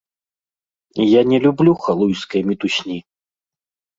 Я не люблю халуйскай мітусні.